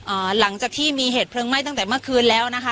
หลังจากที่มีเหตุเพลิงไหม้ตั้งแต่เมื่อคืนแล้วนะคะ